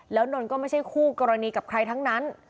แล้วนนท์ก็ไม่ใช่คู่กรณีกับใครทั้งนั้น